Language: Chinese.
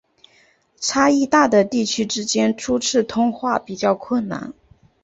差异大的地区之间初次通话比较困难。